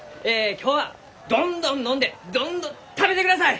今日はどんどん飲んでどんどん食べてください！